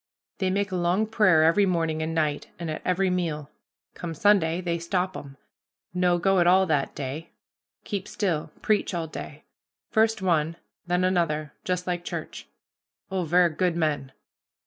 "They make a long prayer every morning and night, and at every meal. Come Sunday, they stop 'em, no go at all that day keep still preach all day first one, then another, just like church. Oh, ver' good men.